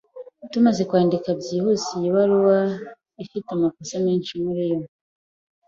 Tumaze kwandikwa byihuse, iyi baruwa ifite amakosa menshi muri yo.